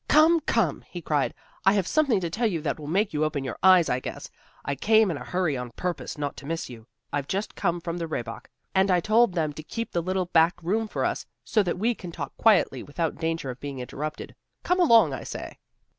"Come, come," he cried, "I have something to tell you that will make you open your eyes, I guess. I came in a hurry on purpose not to miss you. I've just come from the Rehbock, and I told them to keep the little back room for us, so that we can talk quietly, without danger of being interrupted. Come along, I say."